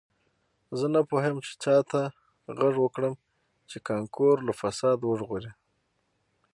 زه نه پوهیږم چې چا ته غږ وکړم چې کانکور له فساد وژغوري